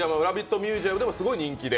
ミュージアムでもすごい人気で。